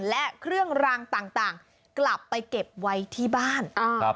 และเครื่องรางต่างกลับไปเก็บไว้ที่บ้าน